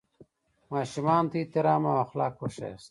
ماشومانو ته احترام او اخلاق وښیاست.